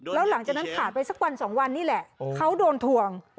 แล้วหลังจากนั้นผ่านไปสักวันสองวันนี้แหละเขาโดนทวง